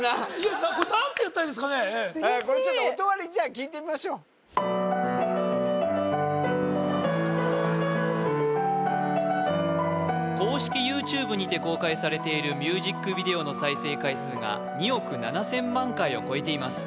嬉しいっこれちょっと音割り聞いてみましょう公式ＹｏｕＴｕｂｅにて公開されているミュージックビデオの再生回数が２億７０００万回を超えています